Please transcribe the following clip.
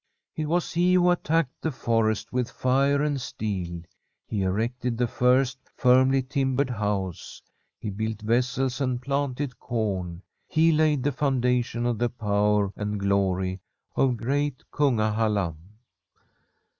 It was he who attacked the forest with fire and steel. He erected the first firmly timbered house. He built vessels and planted corn. He laid the foundation of the power and glory of great Kungahalla.